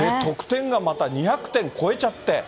得点がまた、２００点超えちゃって。